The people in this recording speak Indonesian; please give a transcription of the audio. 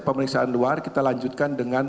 pemeriksaan luar kita lanjutkan dengan